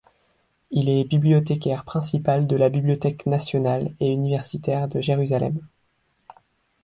Il est bibliothécaire principal de la Bibliothèque nationale et universitaire de Jérusalem.